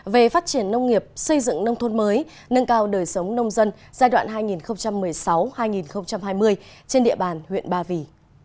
về phát triển nông nghiệp xây dựng nông thôn mới nâng cao đời sống nông dân giai đoạn hai nghìn một mươi sáu hai nghìn hai mươi trên địa bàn huyện ba vì